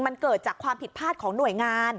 มันเกิดจากความผิดพลาดของหน่วยงาน